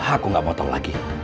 aku gak mau tahu lagi